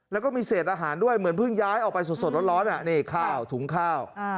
แล้วก็มีเศษอาหารด้วยเหมือนเพิ่งย้ายออกไปสดร้อนนี่ข้าวถุงข้าว